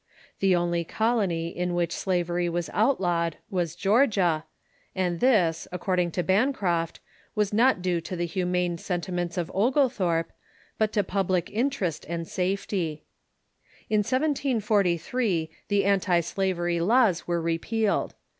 The only colony in which slavery Avas outlawed was Georgia, and this, according to Bancroft, was not due to the humane sentiments of Oglethorpe, but to public interest and safety. In 1743, the antislavery laws were repealed.